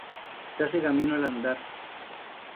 Se hace camino al andar